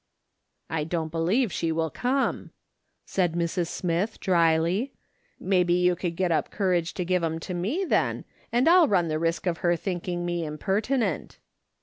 " I dun't believe she will come," said ^Irs. Smith dryly. '' ^Faylje you could get up courage to give 'em to me, tlien, and I'll run the risk of her tliinking me impertinent."